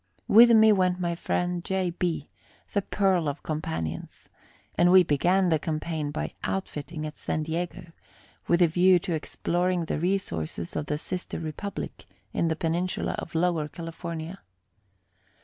With me went my friend J. B., the pearl of companions, and we began the campaign by outfitting at San Diego, with a view to exploring the resources of the sister republic in the peninsula of Lower California.